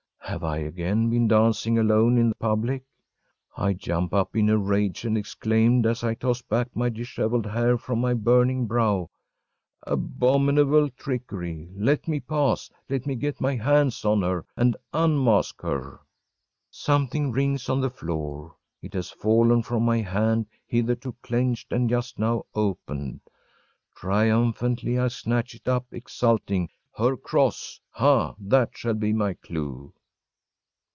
‚ÄĚ Have I again been dancing alone in public? I jump up in a rage, and exclaim, as I toss back my dishevelled hair from my burning brow: “Abominable trickery! Let me pass! Let me get my hands on her, and unmask her!‚ÄĚ Something rings on the floor. It has fallen from my hand, hitherto clenched and just now opened. Triumphantly I snatch it up, exulting: “Her cross! Ha! that shall be my clue!